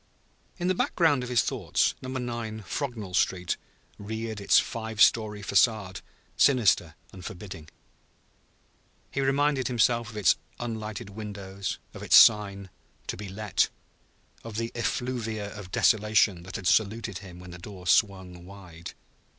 In the background of his thoughts Number 9, Frognall Street, reared its five story façade, sinister and forbidding. He reminded himself of its unlighted windows; of its sign, "To be let"; of the effluvia of desolation that had saluted him when the door swung wide.